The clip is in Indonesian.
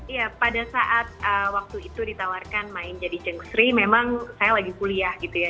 iya pada saat waktu itu ditawarkan main jadi ceng sri memang saya lagi kuliah gitu ya